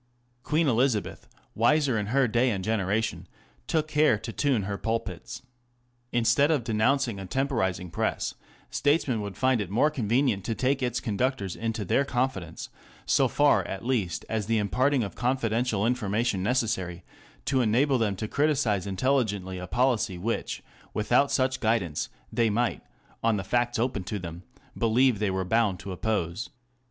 Queen Elizabeth, wiser in her day and generation, took care to tune her pulpits. Instead of denouncing a " temporizing press," statesmen would find it more convenient to take its conductors into their confidence, so far at least as the im parting of confidential information necessary to enable them to criticize intelligently a policy which, without such guidance, they might, on the facts open to them, believe they were bound to oppose.